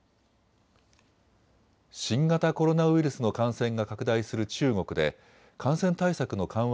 新型コロナウイルスの感染が拡大する中国で感染対策の緩和